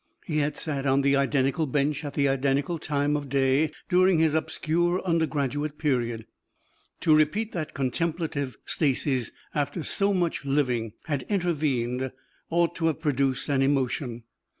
He had sat on the identical bench at the identical time of day during his obscure undergraduate period. To repeat that contemplative stasis after so much living had intervened ought to have produced an emotion.